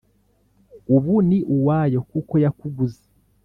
Ubu uri uwayo kuko yakuguze